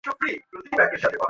এখন কী হয়েছে?